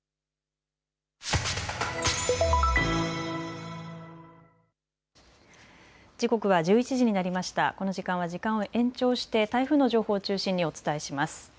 この時間は時間を延長して台風の情報を中心にお伝えします。